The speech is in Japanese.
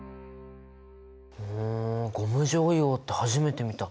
ふんゴム状硫黄って初めて見た。